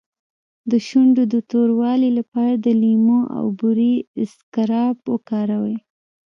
د شونډو د توروالي لپاره د لیمو او بورې اسکراب وکاروئ